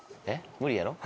無理やろ？